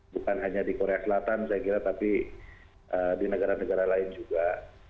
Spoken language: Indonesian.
bukan hanya di korea selatan saya kira tapi di negara negara lain juga